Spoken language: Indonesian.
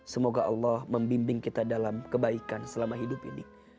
semoga allah membimbing kita dalam kebaikan selama hidup ini